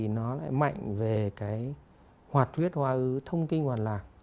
nó lại mạnh về cái hoạt huyết hoa ứ thông tin hoàn lạc